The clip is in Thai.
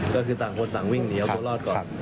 ก็คือต่างคนต่างวิ่งเหนียวตัวรอดก่อน